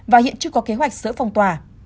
và hiện chưa có kế hoạch sửa phong tỏa